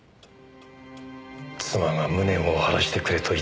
妻が無念を晴らしてくれと言ったんです。